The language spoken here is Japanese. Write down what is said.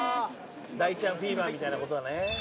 「大ちゃんフィーバーみたいな事だね」